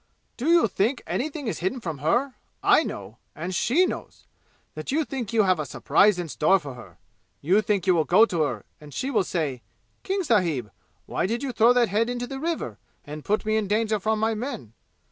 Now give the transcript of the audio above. Do you think anything is hidden from her? I know and she knows that you think you have a surprise in store for her! You think you will go to her, and she will say, 'King sahib, why did you throw that head into the river, and put me in danger from my men?'